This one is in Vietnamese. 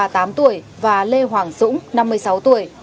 ba mươi tám tuổi và lê hoàng dũng năm mươi sáu tuổi